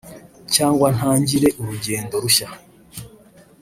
cyangwa ntangire urugendo rushya